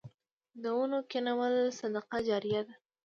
د ونو کینول صدقه جاریه ده